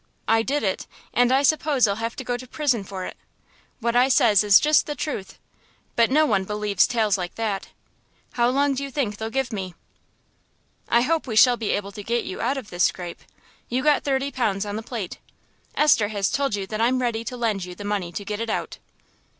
I did it, and I suppose I'll have to go to prison for it. What I says is just the truth, but no one believes tales like that. How long do you think they'll give me?" "I hope we shall be able to get you out of this scrape. You got thirty pounds on the plate. Esther has told you that I'm ready to lend you the money to get it out."